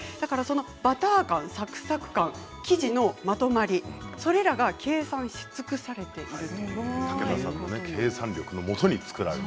バター感、サクサク感生地のまとまりそれらが計算し尽くされているということです。